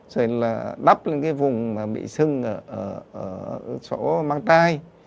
rồi là đắp lên cái vùng bị sưng ở chỗ mang tai